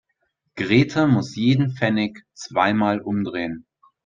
Grete muss jeden Pfennig zweimal umdrehen.